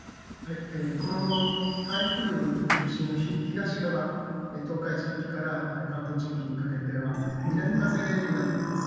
この台風中心の東側、東海地域から関東地域にかけては、南風になっています。